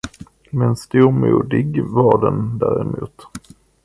Men stormodig var den däremot.